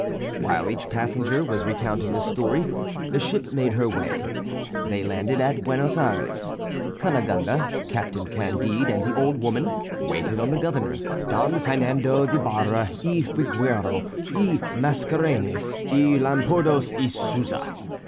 While each passenger was recounting his story, the ship made her way. They landed at Buenos Ayres. Cunegonde, Captain Candide, and the old woman, waited on the Governor, Don Fernando d'Ibaraa, y Figueora, y Mascarenes, y Lampourdos, y Souza.